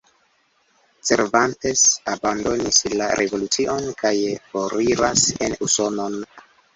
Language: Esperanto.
Cervantes abandonis la revolucion kaj foriras en Usonon.